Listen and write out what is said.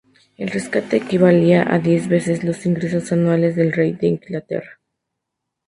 El rescate equivalía a diez veces los ingresos anuales del rey de Inglaterra.